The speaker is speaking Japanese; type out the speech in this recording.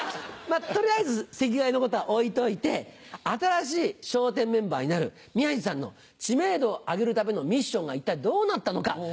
取りあえず席替えのことは置いといて新しい笑点メンバーになる宮治さんの知名度を上げるためのミッションが一体どうなったのか。